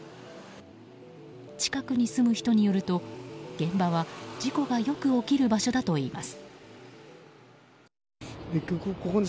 近くに住む人によると現場は事故がよく起こる場所だといいます。